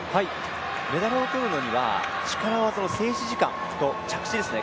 メダルをとるのには力技の静止時間と着地ですね。